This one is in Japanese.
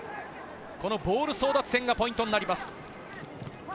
ボール争奪戦がポイントになります。